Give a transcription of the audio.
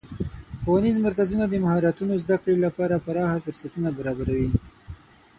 ښوونیز مرکزونه د مهارتونو زدهکړې لپاره پراخه فرصتونه برابروي.